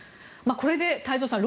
これで太蔵さん